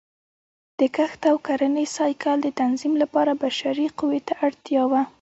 د کښت او کرنې سایکل د تنظیم لپاره بشري قوې ته اړتیا وه